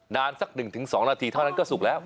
สัก๑๒นาทีเท่านั้นก็สุกแล้ว